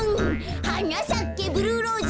「はなさけブルーローズ」